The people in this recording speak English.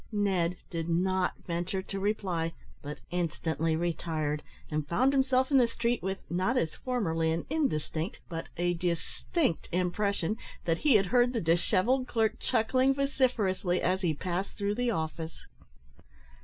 Ned did not venture to reply, but instantly retired, and found himself in the street with not, as formerly, an indistinct, but a distinct impression that he had heard the dishevelled clerk chuckling vociferously as he passed through the office.